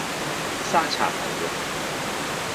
沙茶牛肉